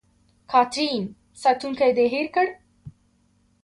کاترین: ساتونکی دې هېر کړ.